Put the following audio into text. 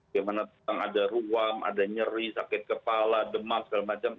bagaimana tentang ada ruam ada nyeri sakit kepala demam segala macam